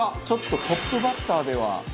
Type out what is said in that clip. ちょっとトップバッターでは。